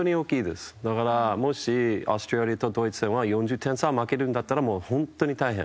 だから、もしオーストラリアとドイツ戦は４０点差で負けるんだったらもう本当に大変。